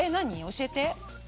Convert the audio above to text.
教えて。